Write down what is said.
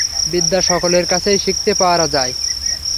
বিদ্যা সকলের কাছেই শিখতে পারা যায়।